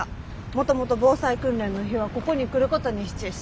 もともと防災訓練の日はここに来ることにしちゅうし。